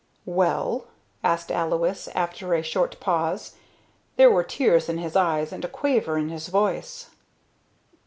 '" "Well?" asked Alois after a short pause. There were tears in his eyes and a quaver in his voice.